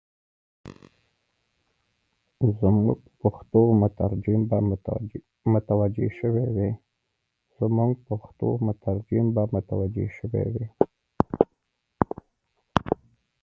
زموږ پښتو مترجم به متوجه شوی وای.